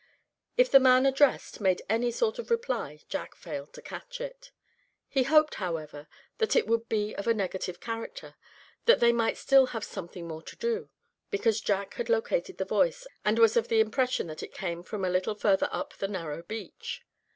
If the man addressed made any sort of reply Jack failed to catch it. He hoped, however, that it would be of a negative character that they might still have something more to do; because Jack had located the voice, and was of the impression that it came from a little further up the narrow beach.